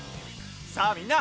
さあみんな！